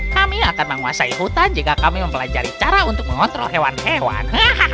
kami akan menguasai hutan jika kami mempelajari cara untuk mengontrol hewan hewan